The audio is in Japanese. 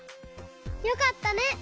よかったね！